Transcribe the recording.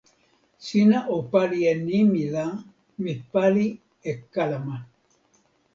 sina o pali e nimi la, mi pali e kalama.